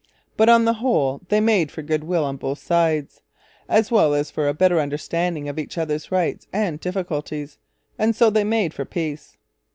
But, on the whole, they made for goodwill on both sides; as well as for a better understanding of each other's rights and difficulties; and so they made for peace.